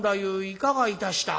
いかがいたした？」。